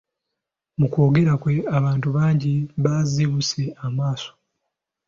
Mu kwongera kwe abantu bangi bazibuse amaaso.